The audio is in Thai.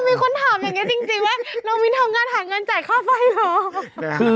มีคนถามอย่างนี้จริงว่าน้องวินทำงานหาเงินจ่ายค่าไฟเหรอ